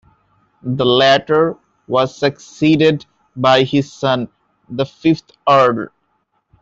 The latter was succeeded by his son, the fifth Earl.